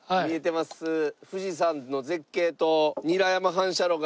富士山の絶景と韮山反射炉が。